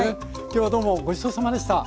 今日はどうもごちそうさまでした。